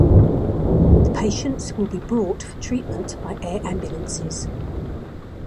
The patients will be brought for treatment by air ambulances.